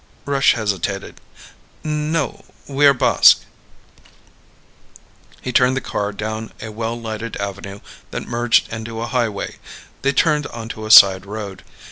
Rush hesitated. "No. We are Basque." He turned the car down a well lighted avenue that merged into a highway. They turned onto a side road.